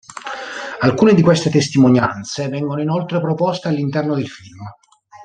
Alcune di queste testimonianze vengono inoltre proposte all'interno del film.